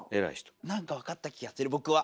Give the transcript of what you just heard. なんか分かった気がする僕は。